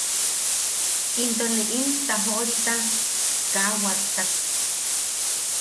Into ne nim tajoʼori kaa wattak.